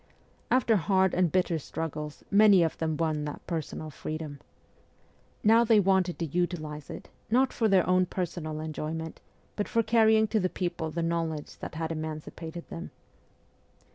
After hard and bitter struggles, many of them won that personal freedom. Now they wanted to utilize it, not for their own personal enjoy ment, but for carrying to the people the knowledge that had emancipated them.